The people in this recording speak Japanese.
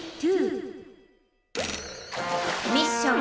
ミッション。